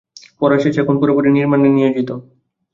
পড়া শেষে এখন পুরোপুরি নির্মাণে নিয়োজিত।